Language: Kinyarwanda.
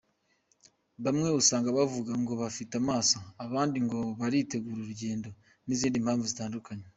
Bamwe usanga bavuga ngo bafite amasomo, abandi ngo baritegura urugendo n’izindi mpamvu zitandukanye.